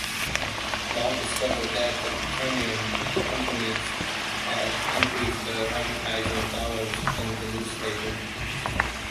Long discovered that the petroleum companies had increased their advertising dollars in the newspaper.